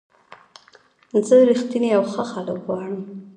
زه رښتیني او ښه خلک غواړم.